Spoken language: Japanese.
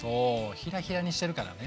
ひらひらにしてるからね。